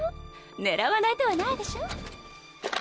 狙わない手はないでしょ。